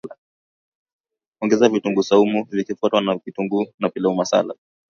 Ongeza vitunguu swaumu vikifuatiwa na kitunguu na pilau masala